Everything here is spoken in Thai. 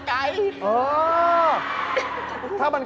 เกิดอะไรขึ้น